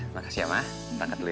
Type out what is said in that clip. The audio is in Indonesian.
makasih ya ma berangkat dulu